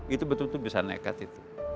itu betul betul bisa nekat itu